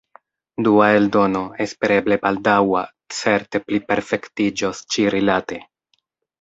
Dua eldono, espereble baldaŭa, certe pliperfektiĝos ĉirilate.